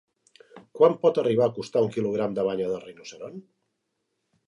Quan pot arribar a costar un quilogram de banya de rinoceront?